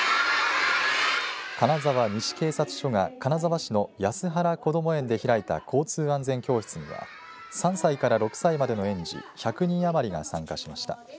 金沢西警察署が金沢市の安原こども園で開いた交通安全教室には３歳から６歳までの園児１００人余りが参加しました。